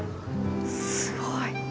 すごい。